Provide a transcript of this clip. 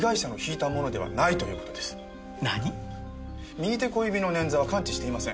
右手小指の捻挫は完治していません。